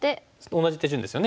同じ手順ですよね。